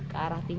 ke arah timur